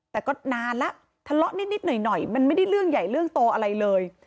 แต่ก็นานแล้วทะเลาะนิดหน่อยมันไม่ได้เรื่องใหญ่เรื่องโตอะไรเลย